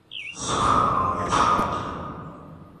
سخنرانی تند